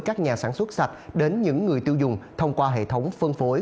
các nhà sản xuất sạch đến những người tiêu dùng thông qua hệ thống phân phối